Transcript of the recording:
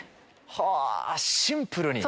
はぁシンプルに。